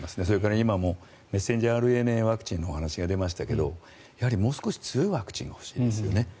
それから今メッセンジャーＲＮＡワクチンの話が出ましたけれどやはりもう少し強いワクチンも欲しいですね。